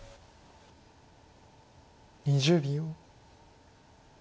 ２０秒。